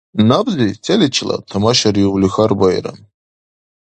— Набзи? Селичила? — тамашариубли, хьарбаира.